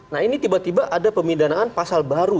nah ini tiba tiba ada pemindanaan pasal baru